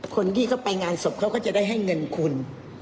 คนที่เขาไปงานศพเขาก็จะได้ให้เงินคุณ